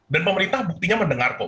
dan pemerintah buktinya mendengar kok